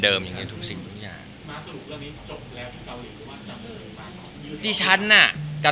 ที่ดีชันพูดมาทั้งหมดนี้นะค่ะ